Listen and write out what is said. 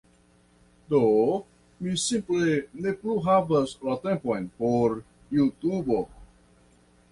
Do mi simple ne plu havas la tempon por Jutubo